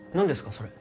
それ。